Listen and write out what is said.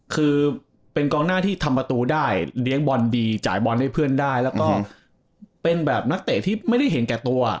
คือเป็นกองหน้าที่ทำประตูได้เลี้ยงบอลดีจ่ายบอลให้เพื่อนได้แล้วก็เป็นแบบนักเตะที่ไม่ได้เห็นแก่ตัว